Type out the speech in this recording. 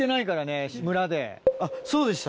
あっそうでした？